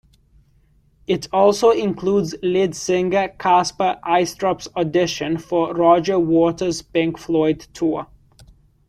It also includes lead singer Kasper Eistrup's audition for Roger Waters' Pink Floyd tour.